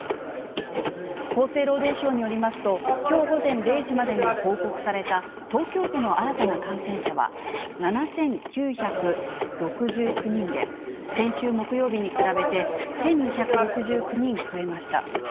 厚生労働省によりますと、きょう午前０時までに報告された東京都の新たな感染者は７９６９人で、先週木曜日に比べて１２６９人増えました。